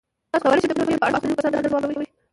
تاسو کولی شئ د پروژې په اړه د مختلفو کسانو نظرونه واورئ.